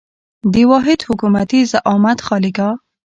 د واحد حکومتي زعامت خالیګاه.